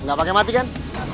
gak pake mati kan